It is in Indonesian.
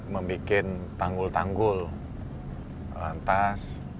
membuat tanggul tanggul tas